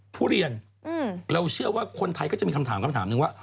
ทุเรียนเราเชื่อว่าคนไทยก็จะมีคำถามคำถามหนึ่งว่า